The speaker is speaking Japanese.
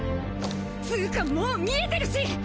つかもう見えてるし！